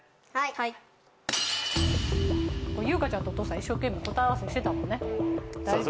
・はい友香ちゃんとお父さん一生懸命答え合わせしてたもんね大丈夫ねさあ